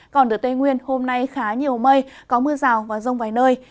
còn ở tây nguyên hôm nay khá nhiều mây có mưa rào và rông vài nơi